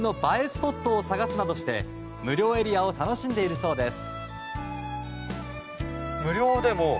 スポットを探すなどして無料エリアを楽しんでいるそうです。